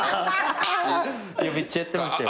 めっちゃやってましたよ。